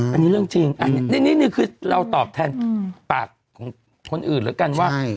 อันนี้เรื่องจริงอันนี้นี่คือเราตอบแทนปากคนอื่นแล้วกัน